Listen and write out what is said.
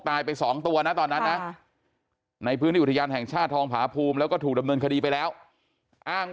ตายไป๒ตัวนะตอนนั้น